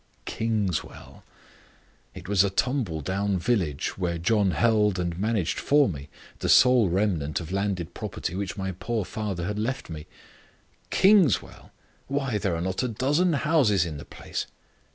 "Kingswell!" It was a tumble down village, where John held and managed for me the sole remnant of landed property which my poor father had left me. "Kingswell! why there are not a dozen houses in the place."